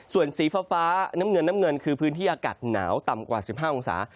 ส่วนสีฟ้าน้ำเงินน้ำเงินคือพื้นที่อากาศหนาวต่ำกว่า๑๕องศา